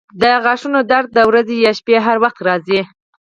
د غاښونو درد د ورځې یا شپې هر وخت راځي.